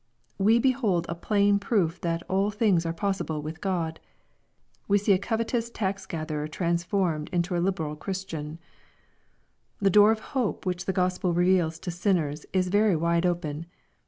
We behold a plain proof that "all things are possible with God." We see a covetous tax gatherer transformed into a liberal Christian 1 The door of hope which the Gospel reveals to sinners, is very wide open.